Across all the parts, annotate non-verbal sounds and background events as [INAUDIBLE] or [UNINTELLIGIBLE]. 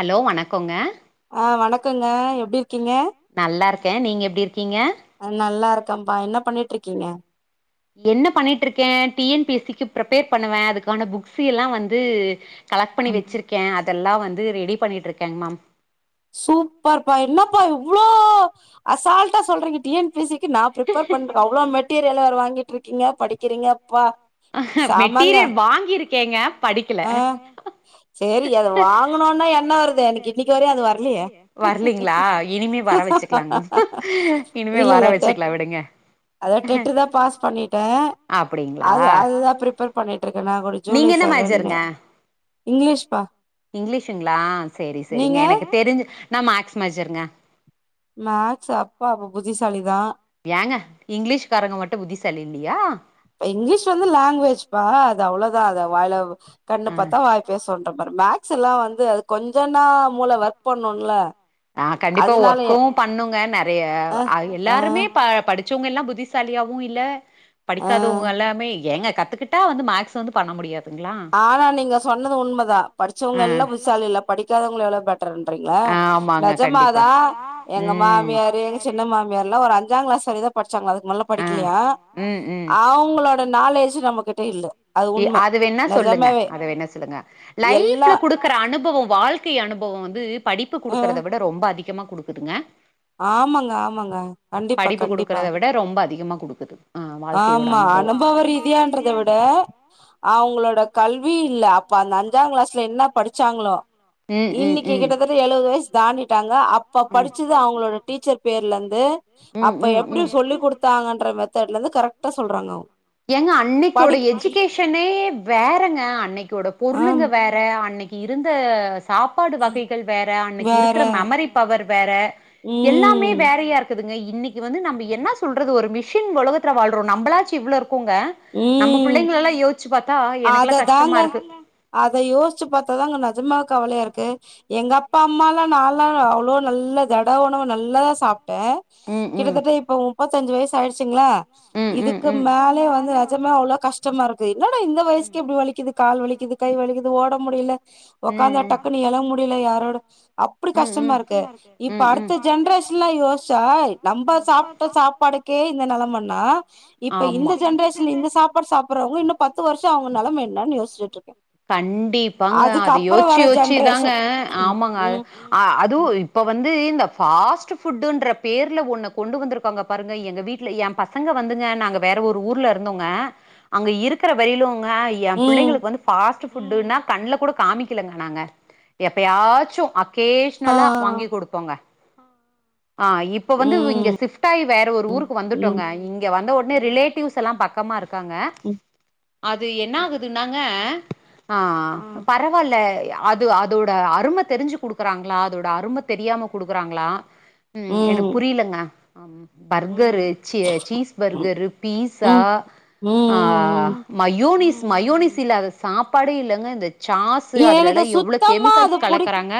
Hello வணக்கோங்க ஆ வணக்கங்க எப்டி இருக்கீங்க நல்லாருக்கே நீங்க எப்பிடி இருக்கீங்க நா நல்லாருக்கேப்பா என்ன பண்ணிட்டுருக்கீங்க என்ன பண்ணிட்டுருக்கே T N P S C க்கு ப்ரிபேர் பண்ணுவே அதுக்கான புக்ஸ்ல்லா வந்து கலெக்ட் பண்ணி வச்சருக்கே அதெல்லா வந்து ரெடி பண்ணிகிட்டுருக்கேங் மேம் சூப்பர்ப்பா என்னப்பா இவ்ளோ அசால்ட்டா சொல்றீங்க டி என் பி சி க்கி நா ப்ரிபேர் பண்ற அவ்ளோ மெட்டீரியல வேற வாங்கிட்டுருக்கீங்க படிக்கிறீங்கப்பா செமங்க மெட்டீரியல் வாங்கிருக்கேங்க படிக்கல ஆ சேரி அது வாங்கணுன்னா வாங்குனோனா என்ன வருது எனக்கு இன்னைக்கு ஜி கே வரையு அது க்கு வரலையே வர்லயே வரலீங்களா இனிமே வர வச்சுக்கலாங்க இனிமே வர வச்சுக்கலா விடுங்க அதான் டெட்டு தான் பாஸ் பண்ணிட்டேன் அப்டிங்களா அது அதுதான் ப்ரிபேர் பண்ணிட்டு இருக்கேன் நான் கூட ஜூலை செவன் ந இங்கிலீஷுங்களா செரி செரிங்க நீங்க எனக்கு தெரிஞ்சு நான் மேக்ஸ் மேஜருங்க மேக்ஸ் அப்பா அப்ப புத்திசாலி தா ஏங்க இங்கிலீஷ்காரங்க மட்டும் புத்திசாலி இல்லையா இங்கிலீஷ் வந்து லாங்குவேஜ் பா அது அவ்ளோதா அத வாய்ல கண்ணு பார்த்தா வ பேசுவோன்ற மாரி மேக்ஸ் எல்லாம் வந்து அது கொஞ்சோன்னா மூள ஒர்க் பண்ணும்ல ஆ கண்டிப்பா ஒர்க்கும் பண்ணுங்க நறைய அ ஆ எல்லாருமே ப படி ச்சவங்க எல்லா புத்திசாலியாவும் இல்ல ஆ படிக்காதவங்க எல்லாமே ஏங்க கத்துக்கிட் கரெக்ட்டா வந்து மேக்ஸ் வந்து பண்ண முடியாது ஆனா நீங்க சொன்னது உண்மைதா படிச்சவங்க எல்லாம் புத்துசாலி இல்ல படிக்காதவங்க எவ்ளோ பெட்டர்ன்றீங்க ஆ ஆமாங்க கண்டிப்பா நிஜமாதா எங்க ம் மாமியாரு சின்ன மாமியார்லாம் ஒரு அஞ்சாம் கிளாஸ் வரைக்குதா படிச்சாங்க அதுக்கு மேல படிக்கலையா ம் ம். அ அவுங்களோட நாலேஜ் நம்ம கிட்ட இல்ல அது உண்மை என்ன சொல்லுங்க அத என்ன சொல்லுங்க எல்லா லைஃப்ல குடுக்குற அனுபவம் வாழ்க்கை அனுபவம் வந்து படிப்பு ம் குடுக்குறத விட ரொம்ப அதிகமா குடுக்குதுங்க ஆமாங்க ஆமா ஆமாங்க ப்ரோ கண்டிப்பா படிப்பு கண்டிப்பா குடுக்குறத விட ரொம்ப அதிகமா குடுக்குது ம் ஆமா அனுபவம் ரீதியான்றத விட அவங்களோட கல்வி இல்ல அப்ப அந்த அஞ்சாம் கிளாஸ்ல என்ன படிச்சாங்களோ இன்னைக்கு கிட்டத்தட்ட எழுவது வயசு தாண்டிட்டாங்க அப்ப படிச்சு அவங்களோட டீச்சர் பேர்ல இருந்து அப்ப இருந்து எப்டி சொல்லி குடுத்தாங்கன்ற மெத்தட்ல இருந்து கரெக்ட் கரெக்டா சொல்றாங்க அவ்ங் ஏங்க அன்னைக்கோட எஜுகேஷனே வேறங்க அன்னைக்கோட ஆம் பொருளுங்க வேற அன்னைக்கி இருந்த சாப்பாடு வகைகள் வேற அன்னைக்கு வேற இருக்கிற மெமரி பவர் வேற எல்லாமே ம் வேறையா இருக் குதுங்க இன்னிக்கி வந்து நம்ம என்ன சொல்றது ஒரு மிஷின் உலகத்தில் வாழ்றோம் நம்மளாச்சும் இவ்ளோ இருக்கோங்க நம்ம ம் பிள்ளைங்கல்லாம் யோசிச்சு பார்த்தா எனக்கெல்லாம் அததாங்க கஷ்டமா இருக்கு அத யோசிச்சு பாத்தாதாங்க நிஜமா கவலையா இருக்கு எங்க அப்பா அம்மாலாம் நான்ல்லாம் அவ்ளோ நல்ல தட உணவு நல்லாதா சாப்டேன் ம் ம் கிட்டத்தட்ட இப்ப முப்பத் அஞ்சு வயசு ஆயிடுச்சுங்களா இதுக்கு மேலே வந் து நிஜமா அவ்ளோ கஷ்டமா இருக்கு என்னடா இந்த வயசுக்கே இப்டி வலிக்குது கால் வலிக்குது கை வலிக்குது ஓட முடில உக்காந்தா டக்குன்னு எழ முடில யாரோட அப்டி கஷ்டமா இருக்கு இப்ப அடுத்து ஜென்ரேஷன்லாம் யோஸ்ச்சா நம்ம சாப்ட்ட சாப்பாடுக்கே இந்த நிலைமைன்னா இப்ப இந்த ஜென்ரேஷன்ல இந்த சாப்பாடு சாப்படுறவங்க இன்னும் பத்து வருஷம் அவங்க நிலம என்னான்னு யோசிட்டு இருக்கேன் கண்டிப்பாங்க அது யோசிச்சு யோச்சிதாங்க ஜென்ரேஷன் ஆமாங்க ம் அதுவும் இப்ப வந்து இந்த ஃபாஸ்ட் ஃபுட்டுன்றப் பேர்ல ஒன்னு கொண்டு வந்திருக்கோங்க பாருங்க எங்க வீட்ல என் பசங்க வந்துங்க நாங்க வேற ஒரு ஊர்ல இருந்தோங்க அங்க இருக்கிற வெயிலும்ங்க என் ம் பிள்ளைங்களுக்கு வந்து பாஸ்ட்டு புட்டுன்னா கண்ணுல கூட காமிக்கலங்க நாங்க எப்பயாச்சும் அப் ஆ கேஷனலா வாங்கி குடுப்போங்க ஆ இப் இப்ப வந்து இங்க ம் சிப்ட் ஆகி வேற ஒரு ம் ஊருக்கு ம் வந்துட்டோங்க இங்க வந்த ஒடனே ரிலேட்டிவ்ஸ் எல்லா பக்கமா இருக் காங்க ம் அது என்ன ஆகுதுன்னாங்க ஆ பரவாயில்ல அது அதோட அரும தெரிஞ்சு குடுக்குறாங்களா அதோட அரும தெரியாம குடுக்குறாங்களா ம் எனக்கு புரியலங்க ஆ பர்கரு சீ சீஸ் ம் பர்கரு பீஸா ம் ஆ ம் மயோனிஸ் மயோனிஸ் இல்லாத சாப்பாடே இல்லங்க இந்த சாஷ்சு எனக்கு அதுலல்லா எவ்ளோ சுத்தமா அது கெமிக்கல்ஸ் புடி கலக்குறாங்க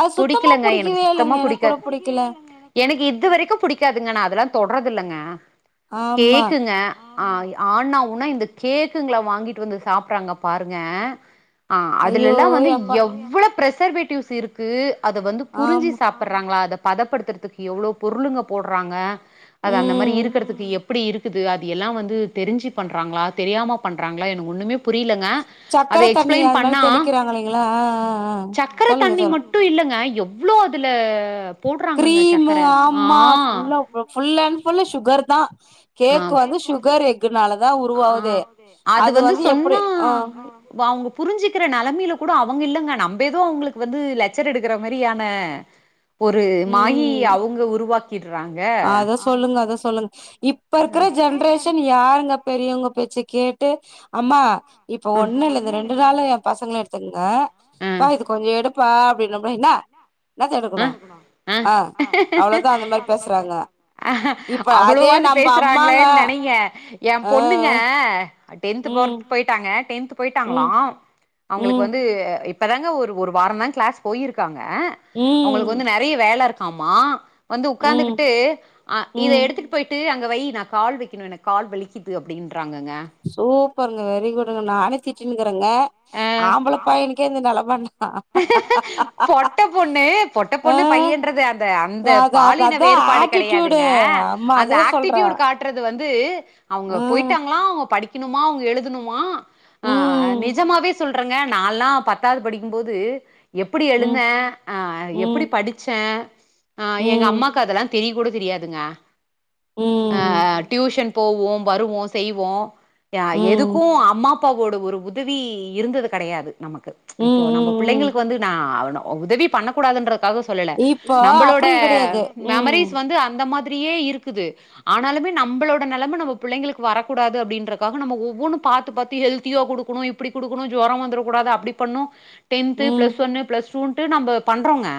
அது சுத்தமா புடிக்கவே இல்லங்க எனக்கு கூட புடிக்காது புடிக்கல எனக்கு இதுவரைக்கு புடிக்காதுங்க நா அதெல்லா தொட்ரதுல்லைங்க ஆமா கேக்குங்க ஆ ஆனா உன்னா இந்த கேக்குங்கள வாங்கிட்டு வந்து சாப்றாங்க பாருங்க ஆ ஐயோ அதுலல்லா வந்து எப்பா எவ்வளவு பிரசர்வேட்டிவ்ஸ் இருக்கு அத வந்து புரிஞ்சி ஆமா சாப் ட்டுறாங்களா அத பதப்படுத்துறதுக்கு எவ்வளவு பொருளுங்க போடுறாங்க அது அந்த மாரி ம் இருக்குறதுக்கு எப் எப்டி இருக்குது அது எல்லா வந்து தெரிஞ்சு பண்றாங்களா தெரியாம பண்றாங்களா எனக்கு ஒண்ணுமே புரிலேங்க அத சக்கர தண்ணி எக்ஸ்பிளைன் அது மேல பண்ணா தெளிக்கிறாங்க இல்லைங்களா ஆ ஆ ஆ சக்கர சொல்லுங்க தண்ணி சொல்லுங்க மட்டு இல்லங்க எவ்ளோ அதுல போட்றாங்கங்க சக்கர ஆ உனக்கு ஃபுல் அண்ட் ஃபுல்லு சுகர் தா கேக் வந்து சுகர் எக்குனால தா ஆ உருவாவுது அது வந்து எப்டி அ இப்போ அவுங்க புரிஞ்சிக்கிற நெலமையில கூட அவங்க இல்லங்க நம்பே எதோ அவுங்களுக்கு வந்து லெக்சர் எடுக்குற மாதிரியான ஒரு மாயி ம் அவுங்க உருவாக்கிடுறாங்க அத சொல்லுங்க அத சொல்லுங்க இப் ப இருக்குற ஜென்ரேஷன் யாருங்க பெரியவங்க பேச்ச கேட்டு அம்மா இப்ப ஒண்ணு இல்லங்க ரெண்டு நாள எ பசங்கள எடுத்துங்க ஆ ப்பா இத கொஞ்ச எடுப்பா அப்டின்னம்னா என்ன அ அ அவ்ளோதா அந்த மாரி பேசுறாங்க அஹ இப்ப அதே அவ்வளோவாவது நம்ப அம்மாங்க பேசுறாங்களேன்னு நெனங்க எ ஆ பொண்ணுங்க டென்த் போர் ம் போயிட்டாங்க டென்த் போயிட்டாங்களா ம் அவுங்களுக்கு ம் வந்து இப் ப தாங்க ஒரு ஒரு வார தா கிளாஸ் போயிருக்காங்க ம் அவுங்களுக்கு வந்து நெறைய வேல இருக்காமா வந்து ம் உக்காந்துகிட்டு் இத ம் எடுத்துட்டு போயிட்டு அங்க வை நா கால் வை க்கனு எனக்கு கால் வலிக்குது அப்டின்றாங்க சூப்பருங்க வெரி குட்ங்க நானே திட்டினுக்கிறேங்க ஆ ஆம்பள பையனுக்கே இந்த நெலமன்னா பொட்ட பொண்ணு பொட்ட பொண்ணு ஆ பையன்றது அந்த அந்த அது அது பாலின அதா வேறுபாடு ஆட்டிடியூடு கெடையாதுங்க அம்மா அந்த அதுதா சொல்ற ஆக்ட்டிடியூட் காட் பண்றது வந்து அவுங்க ம் போயிட்டாங்களா அவுங்க படிக்கணுமா அவுங்க எழுதணுமா ஆ ம் நிஜமாவே சொல்றங்க நால்லா பத்தாவது படிக்கும்போது எப்புடி ம் எழுந்தே அ எப்புடி ம் படிச்சே ஆ எங்க ம் அம்மாக்கு அதெல்லா தெரிய கூட தெரியாதுங்க அ ம் ம் டியூஷன் போவோம் வருவோ செய்வோ அ ம் எதுக்கு அம்மா அப்பாவோட ஒரு உ தவி இருந்தது கெடையாது நமக்கு இப்போ ம் நம்ம ம் பிள்ளைங்களுக்கு வந்து நா ஆகணு உதவி பண்ணக்கூடாதுன்றக்காக சொல்லல இப்போ நம்மளோட அப்டி கெடையாது ம் மெமரிஸ் வந்து அந்த மா திரியே இருக்குது ஆனாலுமே நம்பளோட நெலம நம்ம புள்ளைளுக்கு வரக்கூடாது அப்டின்றதுக்காக நம்ம ஒவ்வொன்னு பாத்து பாத்து ஹெல்த்தியா குடு குணு இப்டி குடுக்கணு ஜொரம் வந்துடக்க கூடாது அப்டி பண்ணு டென்த்து ம் பிளஸ் ஒன்னு பிளஸ் தூண்ட்டு நம்ம பண்றோங்க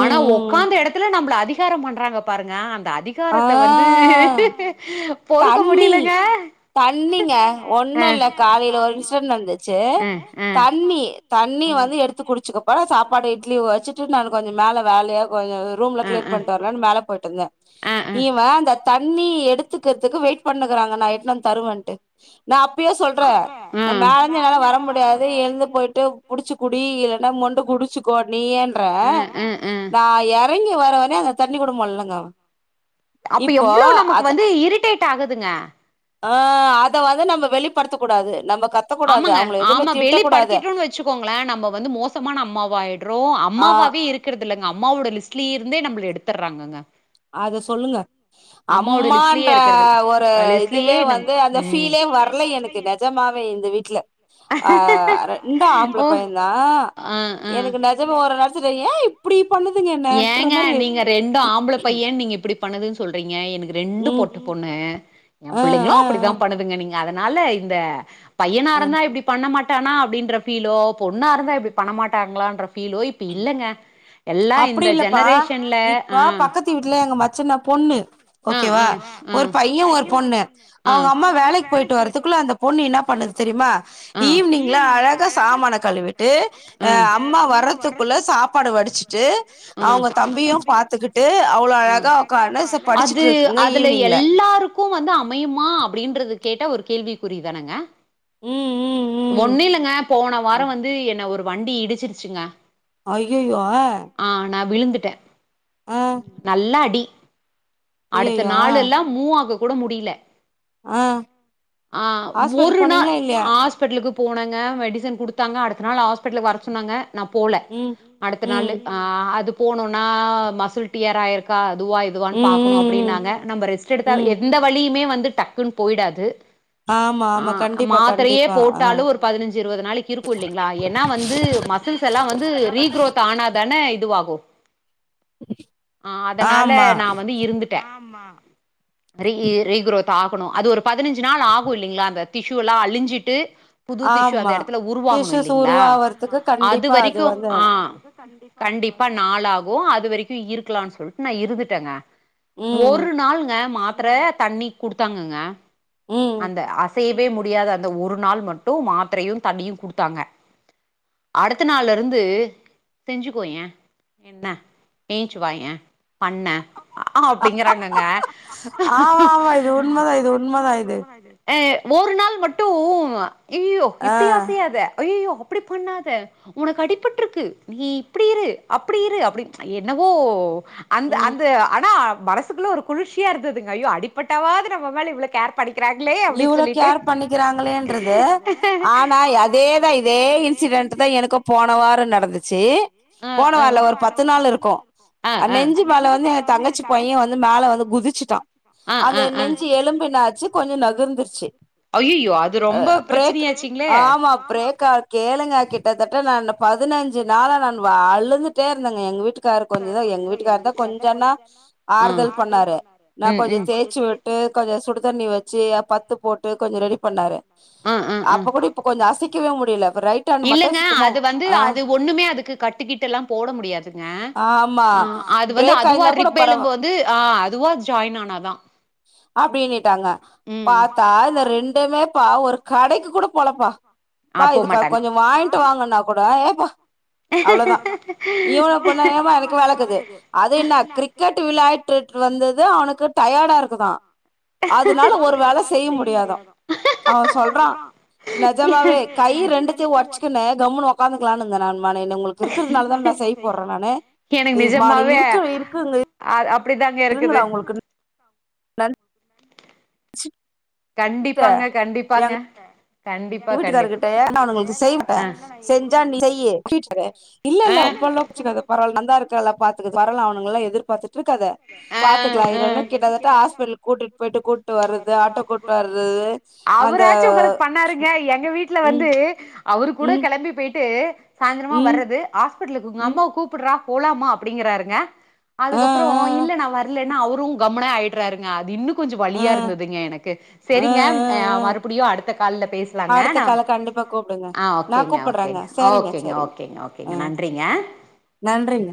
ஆனா ம் ஒக்காந்த இடத்துல நம்மள அதி ஒக்காரமாட்ராங்க பாருங்க அந்த அதி ஆ ஒக்காரத வந்து பொறுக்க தண்ணி முடியலங்க தண்ணிங்க ஒன்னு இல்ல காலையில ஒரு இன்சிடென்ஸ் நடந்துச்சு நடந்துச்சு தண்ணி தண்ணி வந்து எடுத்து குடிச்சுக்கோப்பா சாப் பாடு இட்லி வச்சுட்டு நானு மேல கொஞ்சோ வேலையா கொஞ்ச ரூம்ல கிளிர் பண்ணிட்டு வரலானு மேல போயிட்டுருந்தே நா இவன் அந்த தண்ணி எடுத்துக்கிறதுக்கு வெயிட் பண்ணுகிறாங்க நா எடுத்துன்டு வந்து தருவேன்ட்டு நா அப்பயே சொல்றே நா மேலேந்து என்னால வர முடியாது எழுந்து போயி ட்டு புடிச்சு குடி இல்லனா மொண்டு குடிச்சுக் கோ நீயேன்ற நா இறங்கி வர வரையு அந்த தண்ணி கொட மொல்லங்காணு அப்ப எவ்வளோ நமக்கு வந்து இரிட்டேட் ஆகுதுங்க ஆ அத வந்து நம்ம வெளிப்படுத்த கூடாது நம்ம க ஆமாங்க ஆமா வெளிப்படுத்திட்டோனு வச்சுக்கோங்களே நம்ம வந்து மோசமான அம்மாவா ஆயிடுறோ ஆ அம்மாவாக இருக் குறது இல்லங்க அம்மாவோட லிஸ்ட்லேயே இருந்தே நம்மள எடுத்துடுறாங்கங்க அத சொல்லுங்க [UNINTELLIGIBLE] அம்மாவோட லிஸ்ட்லயே அம்மான்ற இருக்கிறது ஒரு இல்ல லிஸ்ட்லயே இதுவே நம் வந்து அந்த ம் ஃபீலே வரல எனக்கு நெஜமாவே இந்த வீட்ல ஆ ரெண்டும் ஆம்பள ஓ பையந்தா ஆ ஆ எனக்கு நெஜமா ஒரு நேரத்துல ஏன் இப்டி பண்ணுதுங்க என்னன்ற ஏங்க மாரி நீங்க ரெண்டு ஆம்பள பையன் நீங்க இப்டி பண்ணுதுனு சொல்றீங்க எனக் ரெண்டு ம் பொட்ட பொண்ணு என் ஆ பிள்ளைங்களு ஆ அப்டிதா ஆ பண்ணுதுங்க நீங்க அதனால இந்த பையனா ஆ இருந்தா இப்டி பண்ண மாட்டானா அப்டின்ற ஃபீலோ பொண்ணா இருந்தா இப்டி பண்ண மாட்டாங்களான்ற ஃபீலோ இப் இப்ப இல்லங்க எல்லா அப்டி இந்த இல்லப்பா ஜெனரேஷன்ல இப்ப ஆ பக்கத்து வீட்டுல எங்க மச்சின பொண்ணு பொண்ணு ஓகேவா ஒரு பைய ஒரு பொண்ணு அவுங்க அம்மா வேலைக்கு போயிட்டு வர்றதுக்குள்ள அந்த பொண்ணு என்ன பண்ணுது தெரியுமா ஈவினிங்ல அழகா சாமான கழுவிட்டு வந்து ஆ அம்மா வர்றதுக் குள்ள சாப்பாடு வடிச்சிட்டு அவுங்க தம்பியு பாத்துக்கிட்டு அவ்ளோ அழகாக ஒக்காந்து அது அதுல எல் எல்லாருக்கு வந்து அமையுமா அப்டின்றது கேட்டா ஒரு கேள்விக்குறிதானுங்க ம் ம் ம் ஒன்ன இல்லங்க போன வாரோ வந்து என்ன ஒரு வண்டி இடிச்சிருச்சுங்க ஆ நா விழுந்துட்டே ஆ நல்லா அடி அடுத்த ஐயையோ ஆ நாள் எல்லா மூவாக கூட முடியல ஆ ஆ ஹாஸ்பிட்டல் ஒரு நாள் போனீங்களா இல்லையா ஆஸ் பிட்டலுக்கு போனங்க மெடிசன் குடுத்தாங்க அடுத்த நாள் ஹாஸ்பிட்லுக்கு வர சொன்னாங்க நா போல ம் அடுத்த நாளு ம் ஆ அது போனுனா மசுல் டியாரா ஆயிருக்கா அதுவா இது ம் பாக்குணு ம் ம் அப்டினாங்க நம்ம ரெஸ்ட்டு எடுத்தா ம் எந்த வழியுமே வந்து டக்குன்னு போயிடாது ஆமா ஆ ஆமா கண்டிப்பா மாத்திரையே கண்டிப்பா ஆ போட்டாலு ஒரு பதினஞ்சு இருவது நாளைக்கி இருக்கு இல்லிங்களா ஏனா வந்து மசில்ஸ் எல்லா வந்து ரீ குரோத் ஆனாதான இதுவாகு ஆ அதனால ஆமா. நா வந்து இருந்திட்டே ரீ ரீ குரோத் ஆகுணு அது ஒரு பதினஞ்சு நாள் ஆகு இல்லிங்களா அந்த திசு எல்லா அழிஞ்சிட்டு புது திசு அந்த ஆமா. இடத்துல உருவாகுணு டிஷ்ஷஸ் இல்லிங்களா உருவாவறதுக்கு அது கண்டிப்பா வரைக்கு வந்து ஆ கண்டிப்பா நாள் ஆகு அது வரைக்கு இருக்கலானு சொல்ட்டு நா இருந்துட்டேங்க ம், ஒரு நாளுங்க மாத்தர தண்ணிக் குடுத்தாங்கங்க ம். அந்த ஆஸ் தேவே முடியாத அந்த ஒரு நாள் மட்டு மாத்தரையு தண்ணியு குடுத்தாங்க அடுத்த நாள்ல இருந்து செஞ்சுக்கோயே என்ன ஏஞ்ச்சுவாயே பண்ண ஆ அப்பிடிங்கறாங்கங்க ஆமா, ஆமா. இது ஆ உண்மதான், இது உண்மதான் உண்மைதா உண்மதா இது அ ஒரு நாள் மட்டு இய்யோ ஆ. இப்பிடி அசையாத அய்யயோ அப்பிடி பண்ணாத உனக்கு அடிபட்டுருக்கு நீ இப்பிடி இரு அப்பிடி இரு அப்டின் என்னவோ அந்த ம். அந்த ஆனா மனசுக்குள்ள ஒரு குளிர்ச்சியா இருந்துதுங்க ஐயோ அடிப்பட்டாவாது நம்ம மேல இ்வ்ளோ கேர் பணிக்கிறாங்களே அப்பிடின் இவ்ளோ சொல்லிட்டு கேர் பண்ணிக்கிறாங்களேன்றது. அதா எனக்கு போனவாரோ நடந்துச்சி ஆ அ போனவார்ல ஒரு பத்து நாள் இருக்கு அ அ நெஞ்சு மேல வந்து தங்கச்சி பைய வந்து மேல வந்து குதிச்சிட்டா அ அந்த அ அ அது நெஞ்சி எலும்பு என்னாச்சி கொஞ்ச நகு விழுந்துருச்சி ஐயயோ அது அ ரொம்ப அப்பறோ பிரேக் பிரச்சனையாச்சுங்களே ஆமா பிரேக்கா கேளுங்க கிட்டத்தட்ட நான் பதினஞ்சி நாளா நா அழுந்துட்டே இருந்தேங்க எங்க வீட்டு இருக்காரு கொஞ்சதா எங்க வீட்டுக்கார் தா கொஞ்சனா ஆறுதல் பண்ணாரு நா கொஞ்சோ தேய்ச்சி விட் விட்டு கொஞ்சோ சுடு தண்ணி வச்சி பத்து போட்டு கொஞ்சோ ரெடி பண்ணாரு ஆ ஆ அப்ப கூட ஆ இப்ப கொஞ்சோ அசைக்கவே முடில இப்ப ரைட் ஹேண்ட் மட்டும் இல்லங்க சுத்தமா அது வந்து ஆ அது ஒண்ணுமே அதுக்கு கட்டுக்கிட்டு லா போட முடியாதுங்க ஆமா ஆ அது வந்து பிரேக் அதுவா ஆயிருந்தா கூட ரிப் பரவா எலும்பு வந்து ஆ அதுவா ஜாயின் ஆனாதா அப்பிடினுட்டாங்க ம் பாத்தா இந்த ரெண்டுமேப்பா ஒரு கடைக்கு கூட போலப்பா இப்பா இதுக்கா கொஞ்ச பாருங்கப்பா வாங்கிட்டு வாங்குன்னா கூட ஏ போ அவ்ளோதா இவன கொண்ணா ஏமா எனக்கு வேலக்குது அது என்ன கிரிக் கிரிக்கெட் விளையாற்றுட்டு வந்தது அவனுக்கு டயர்டா இருக்குதா அதனால ஒரு வேல செய்ய முடியாதா அவ சொல்றா நிஜமாவே கை ரெண்டுத்தையு உடச்சுக்கன்னு கம்ன்னு உடக்காந்துக்கலான்னு இந்தே நா நானு என்ன உங்களுக்கு இருக்கிறதுனால தான நா செய்து போடுறே நானு மானே இருக்குல இருக்குங்க அது அப்டிதாங்க இருக்குது இருங்கடா உங்களுக்கு நெனச்சிட்டு கண்டிப்பாங்க கண்டிப்பாங்க எங்க கண்டிப்பா வீட்டுக்காரர்கிட்ட கண்டிப்பா ஏன்னா அவனுங்களுக்கு செய்யமாட்டே அ செஞ்சா நீ செய்யி இல்ல இல்ல அவ்வள்ளோ குச்சுக்காத பரவால நந்தா இருக்கால்ல பாத்துக்குது வரல அவனுங்க எல்லா எதிர்பார்த்துட்டு இருக்காத ஆ பாத்துக்கலா ஆ இதென்ன கிட்டத்தட்ட ஹாஸ்பிடலுக்கு கூட்டிட்டு போயிட்டு கூப்ட்டு வர்றது ஆட்டோ கூப்ட்டு வர்றது அந்த அவராச்சு உங்களுக்கு பண்ணாருங்க எங்க வீட்டுல ம் வந்து அவரு கூட ம் கிளம்பி போயிட்டு சாயந்திரமா ம் வர்றது ஹாஸ்பிடலுக்கு உங்க ம் அம்மாவ கூப்பிடுறா போலாமா அப்படிங்கறாருங்க ஆ அதுக்கப் ஓ இல்ல நா வரலன்னா அவரு கம்முனே ஆயிடுறாருங்க அது இன்னும் கொஞ்சோ ஆ ஆ வலியா இருந்ததுங்க எனக்கு ஆ சரிங்க அ ஆ மறுபடியு அடுத்த கால்ல பேசலாங்க அடுத்த நா கால கண்டிப்பா கூப்டுங்க ஆ நா ஓகேங்க கூப்புட்றேங்க ஓகேங்க சரிங்க ஓகேங்க ஓகேங்க ஓகேங்க நன்றிங்க நன்றிங்